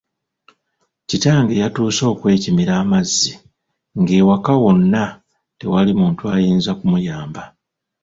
Kitange yatuuse okwekimira amazzi ng'ewaka wonna tewali muntu ayinza kumuyamba.